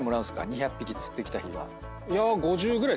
２００匹釣ってきた日は。